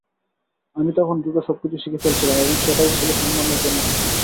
আমি তখন দ্রুত সবকিছু শিখে ফেলছিলাম এবং সেটাই ছিল সম্মান অর্জনের পথ।